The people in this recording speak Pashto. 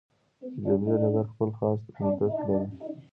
د جګړې ډګر خپل خاص منطق لري.